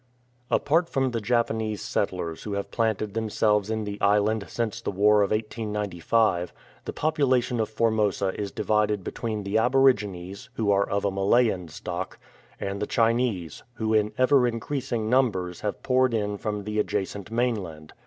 "" Apart from the Japanese settlers who have planted themselves in the island since the war of 1895, the popula tion of Formosa is divided between the aborigines, who are of a Malayan stock, and the Chinese, who in ever increasing numbers have poured in from the adjacent mainland.